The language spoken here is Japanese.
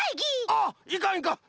あっいかんいかん！